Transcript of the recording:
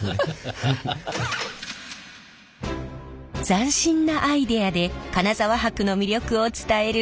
斬新なアイデアで金沢箔の魅力を伝えるこちらの工場。